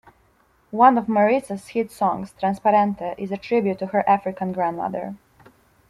One of Mariza's hit songs, "Transparente" is a tribute to her African grandmother.